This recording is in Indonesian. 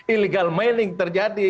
illegal mailing terjadi